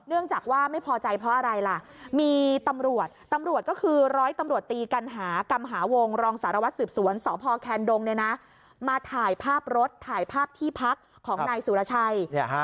เนื่องจากว่าไม่พอใจเพราะอะไรล่ะมีตำรวจตำรวจก็คือร้อยตำรวจตีกันหากำหาวงรองสารวัตรสืบสวนสพแคนดงมาถ่ายภาพรถถ่ายภาพที่พักของนายสุรชัย